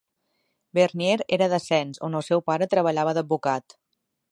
Vernier era de Sens, on el seu pare treballava d'advocat.